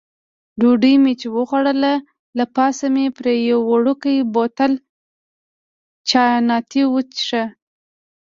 ډوډۍ مې چې وخوړله، له پاسه مې پرې یو وړوکی بوتل چیانتي وڅېښه.